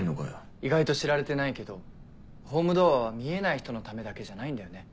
意外と知られてないけどホームドアは見えない人のためだけじゃないんだよね。